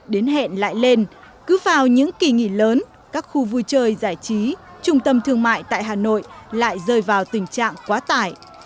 đến hẹn lại lên cứ vào những kỳ nghỉ lớn các khu vui chơi giải trí trung tâm thương mại tại hà nội lại rơi vào tình trạng quá tải